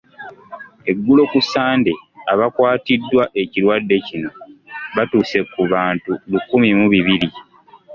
Eggulo ku Ssande abakwatiddwa ekirwadde kino batuuse ku bantu lukumi mu bibiri.